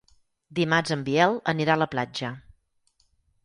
Dimarts en Biel anirà a la platja.